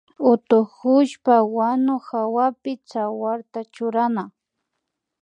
Utukushpa wanu hawapi tsawarta churana